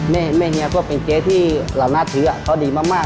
แม่เฮียก็เป็นเจ๊ที่เราน่าถือเขาดีมาก